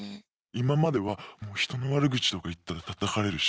今までは人の悪口とか言ったらたたかれるし。